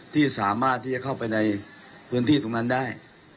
ที่สามารถที่จะเข้าไปในพื้นที่ตรงนั้นได้